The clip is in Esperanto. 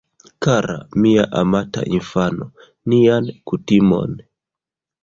Kara, mia amata infano, nian kutimon...